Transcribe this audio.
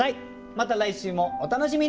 また来週もお楽しみに！